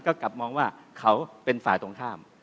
ก็กลับมองว่าเขาเป็นฝ่ายตรงข้าม